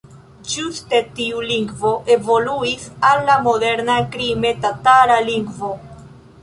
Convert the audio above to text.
Ĝuste tiu lingvo evoluis al la moderna krime-tatara lingvo.